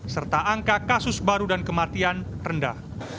serta angka kasus baru dan kematian rendah